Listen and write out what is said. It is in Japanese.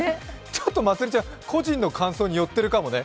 ちょっとまつりちゃん、個人の感想に寄ってるかもね。